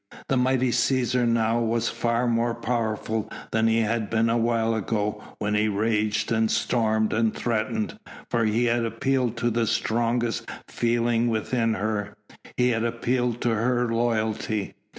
The mighty Cæsar now was far more powerful than he had been a while ago when he raged and stormed and threatened, for he had appealed to the strongest feeling within her he had appealed to her loyalty.